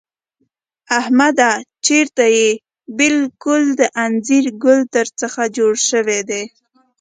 احمده! چېرې يې؟ بالکل د اينځر ګل در څخه جوړ شوی دی.